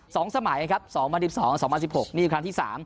สองสมัยครับ๒๐๐๒๒๐๑๖นี่คล้านที่๓